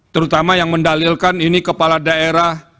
terutama yang mendalilkan ini kepala daerah